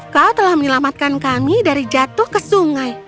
kau telah menyelamatkan kami dari jalan ini